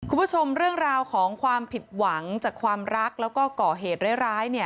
คุณผู้ชมเรื่องราวของความผิดหวังจากความรักแล้วก็ก่อเหตุร้าย